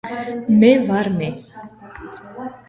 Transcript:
მე ვერ მე